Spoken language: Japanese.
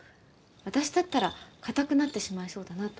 私だったら硬くなってしまいそうだなと思って。